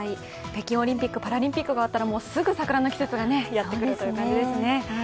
北京オリンピック・パラリンピックが終わったらすぐ桜の季節がやってくるという感じですね。